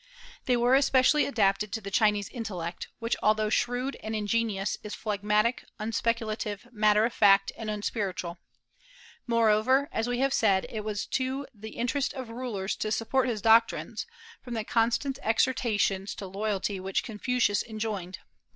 They were especially adapted to the Chinese intellect, which although shrewd and ingenious is phlegmatic, unspeculative, matter of fact, and unspiritual. Moreover, as we have said, it was to the interest of rulers to support his doctrines, from the constant exhortations to loyalty which Confucius enjoined.